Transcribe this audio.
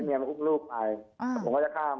ให้เนียมบุ่มลูกไปแต่ผมก็จะข้าม